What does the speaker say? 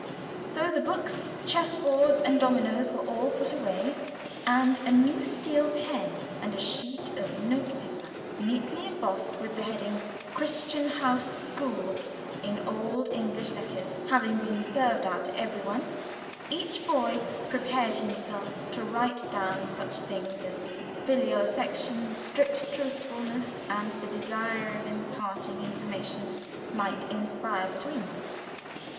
So the books, chess boards, and dominoes were all put away, and a new steel pen and a sheet of notepaper, neatly embossed with the heading "Crichton House School" in old English letters, having been served out to everyone, each boy prepared himself to write down such things as filial affection, strict truthfulness, and the desire of imparting information might inspire between them.